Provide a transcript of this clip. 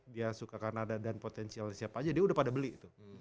dia suka kanada dan potensial siapa aja dia udah pada beli tuh